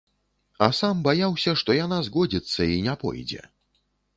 А сам баяўся, што яна згодзіцца і не пойдзе.